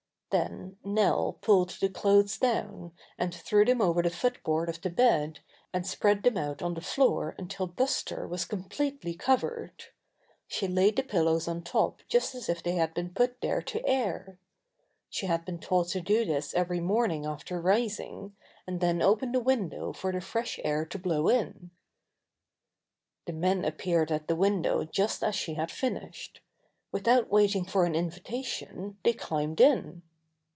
Then Nell pulled the clothes down, and threw them over the foot board of the bed and spread them out on the floor until Buster was completely covered. She laid the pillows on top just as if they had been put there to air. She had been taught to do this every morning after rising, and then open the window for the fresh air to blow in. The men appeared at the window just as she had finished. Without waiting for an invita tion they climbed in.